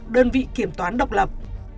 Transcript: đơn vị kiểm toán độc lập